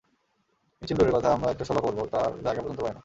মিছিল দূরের কথা, আমরা একটা সভা করব, তার জায়গা পর্যন্ত পাই না।